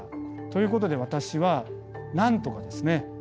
ということで私はなんとかですね